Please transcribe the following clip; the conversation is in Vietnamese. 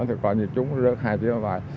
thì coi như trúng rớt hai chiếc bay